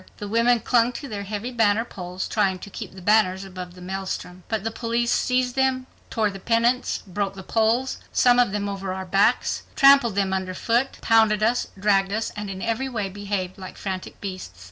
The women clung to their heavy banner poles, trying to keep the banners above the maelstrom. But the police seized them, tore the pennants, broke the poles, some of them over our backs, trampled them underfoot, pounded us, dragged us, and in every way behaved like frantic beasts.